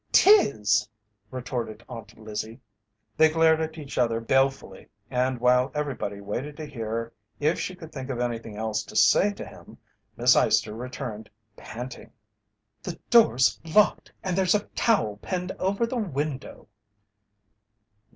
"'Tis!" retorted Aunt Lizzie. They glared at each other balefully, and while everybody waited to hear if she could think of anything else to say to him, Miss Eyester returned panting: "The door's locked and there's a towel pinned over the window."